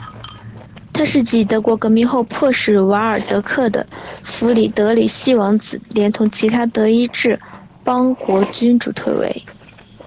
它是继德国革命后迫使瓦尔德克的弗里德里希王子连同其他德意志邦国君主退位。